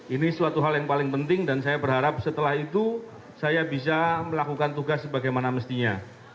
ini suatu hal yang paling penting dan saya berharap setelah itu saya bisa melakukan tugas sebagaimana mestinya